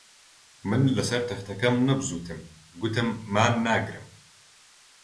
من لەسەر تەختەکەم نەبزووتم، گوتم مان ناگرم